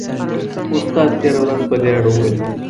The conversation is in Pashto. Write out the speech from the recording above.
استاد تېره ورځ په دې اړه وویل.